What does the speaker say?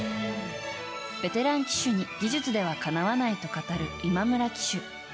ベテラン騎手に技術ではかなわないと語る今村騎手。